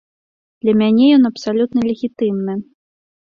Для мяне ён абсалютна легітымны.